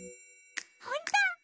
ほんと！？